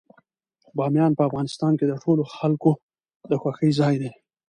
بامیان په افغانستان کې د ټولو خلکو د خوښې ځای دی.